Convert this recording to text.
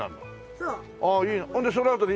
そう！